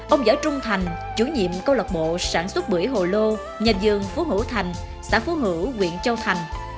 ông giở trung thành chủ nhiệm câu lạc bộ sản xuất bưởi hồ lô nhà dương phú hữu thành xã phú hữu quyện châu thành